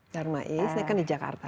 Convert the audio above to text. dharma east ini kan di jakarta